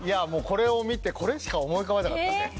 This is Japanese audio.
これを見てこれしか思い浮かばなかったね。